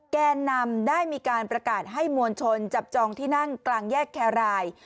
แกนนำได้มีการประกาศให้มวลชนจับจองที่นั่งกลางแยกแครราย